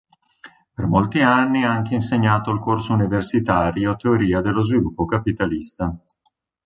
Per molti anni ha anche insegnato il corso universitario Teoria dello sviluppo capitalista.